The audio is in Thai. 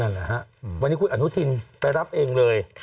นั่นแหละฮะวันนี้คุณอนุทินไปรับเองเลย